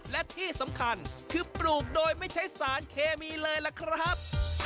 และที่สำคัญคือปลูกโดยไม่ใช้สารเคมีเลยล่ะครับ